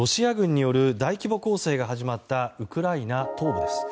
続いては大規模攻勢が始まったウクライナ東部です。